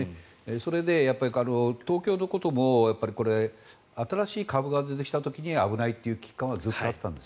それで、東京も新しい株が出てきた時には危ないという危機感はずっとあったんです。